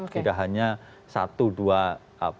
tidak hanya satu dua